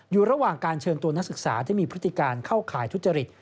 อยู่ระหว่างการเชิญตัวนักศึกษาที่มีพฤติการเข้าข่ายทุจริต